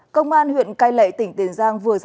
công an huyện cai lệ tỉnh tiền giang